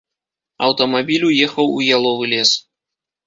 Аўтамабіль уехаў у яловы лес.